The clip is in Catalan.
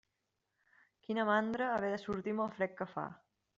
Quina mandra, haver de sortir amb el fred que fa.